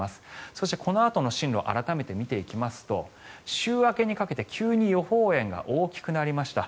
そして、このあとの進路改めて見ていきますと週明けにかけて急に予報円が大きくなりました。